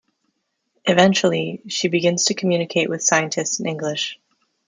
Eventually, she begins to communicate with scientists in English.